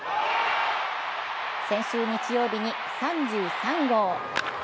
先週日曜日に３３号。